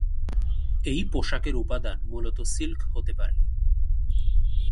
এই পোশাকের উপাদান মূলত সিল্ক হতে পারে।